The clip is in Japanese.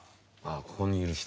ここにいる人。